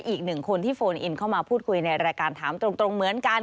อีกหนึ่งคนที่โฟนอินเข้ามาพูดคุยในรายการถามตรงเหมือนกัน